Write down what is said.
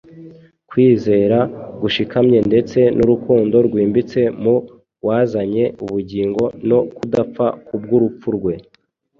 kwizera gushikamye ndetse n’urukundo rwimbitse mu wazanye ubugingo no kudapfa kubw’urupfu rwe.